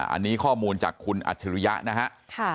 อันนี้ข้อมูลจากคุณอัจฉริยะนะฮะ